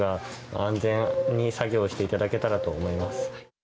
安全に作業していただけたらと思います。